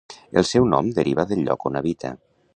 El seu nom deriva del lloc on habita.